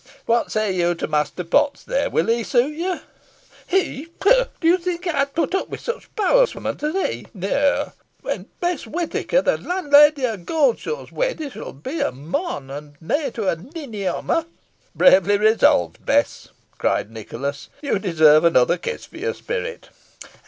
"What say you to Master Potts there? Will he suit you?" "He pooh! Do you think ey'd put up wi' sich powsement os he! Neaw; when Bess Whitaker, the lonleydey o' Goldshey, weds, it shan be to a mon, and nah to a ninny hommer." "Bravely resolved, Bess," cried Nicholas. "You deserve another kiss for your spirit."